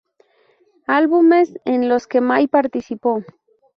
Álbumes en los que Mai participó.